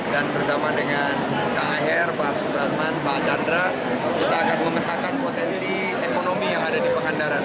dan bersama dengan kang ayer pak supratman pak chandra kita akan mengetahkan potensi ekonomi yang ada di pangandaran